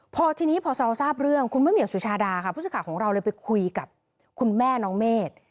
พอทีนี้พอเราทราบเรื่องคุณมะเหี่ยวสุชาดาค่ะผู้สื่อข่าวของเราเลยไปคุยกับคุณแม่น้องเมฆ